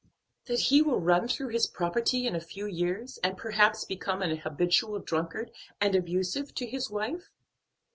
"That he will run through his property in a few years, and perhaps become an habitual drunkard and abusive to his wife."